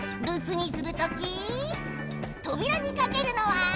るすにするときとびらにかけるのは？